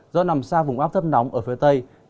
do nằm xa vùng áp thấp nóng ở phía tây bắc bộ